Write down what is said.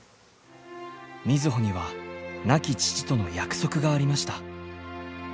瑞穂には亡き父との約束がありました。